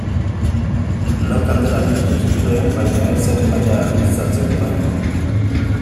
Lau kandela piztu zituen baina ez zen mahaia argiztatzeko lain.